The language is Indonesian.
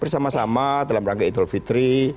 bersama sama dalam rangka idul fitri